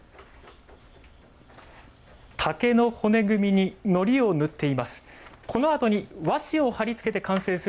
竹の骨組みにのりを塗っています。